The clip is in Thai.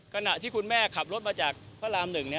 ขณะที่คุณแม่ขับรถมาจากพระราม๑